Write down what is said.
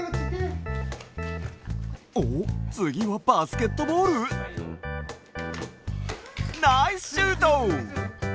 おっつぎはバスケットボール？ナイスシュート！